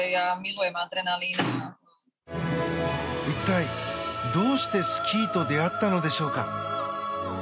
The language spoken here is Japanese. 一体どうしてスキーと出会ったのでしょうか。